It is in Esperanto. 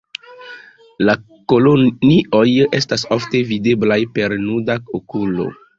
La kolonioj estas ofte videblaj per nuda okulo.